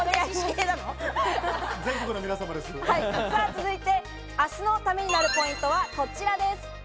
続いて明日のタメになるポイントはこちらです。